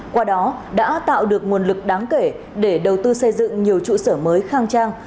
qua đó đã tạo được nguồn lực đáng kể để đầu tư xây dựng nhiều trụ sở mới khang trang